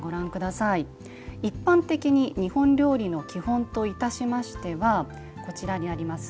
一般的に日本料理の基本といたしましてはこちらにあります